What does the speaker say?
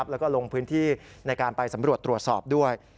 แล้วก็ลงพื้นที่ในการไปสำรวจตรวจสอบด้วย